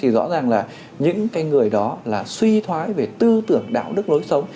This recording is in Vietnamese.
rõ ràng là những người đó là suy thoái về tư tưởng đạo đức lối sống